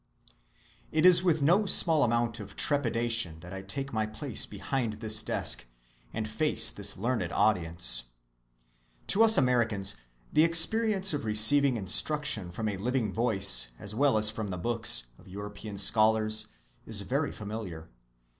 It is with no small amount of trepidation that I take my place behind this desk, and face this learned audience. To us Americans, the experience of receiving instruction from the living voice, as well as from the books, of European scholars, is very familiar.